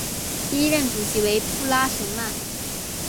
第一任主席为布拉什曼。